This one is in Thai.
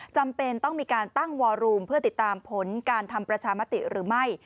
จำเป็นต้องมีการตั้งวอรูมเพื่อติดตามผลการทำประชามติหรือไม่